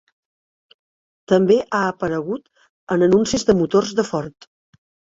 També ha aparegut en anuncis de motors de Ford.